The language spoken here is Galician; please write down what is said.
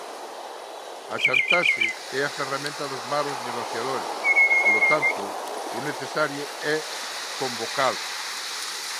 A chantaxe é a ferramenta dos malos negociadores; polo tanto, o necesario é convocala.